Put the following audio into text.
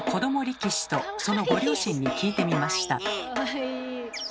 力士とそのご両親に聞いてみました。